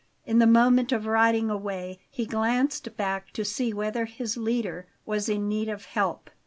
In the moment of riding away, he glanced back to see whether his leader was in need of help.